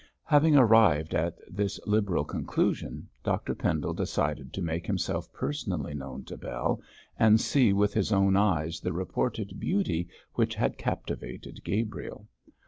Having arrived at this liberal conclusion, Dr Pendle decided to make himself personally known to Bell and see with his own eyes the reported beauty which had captivated Gabriel.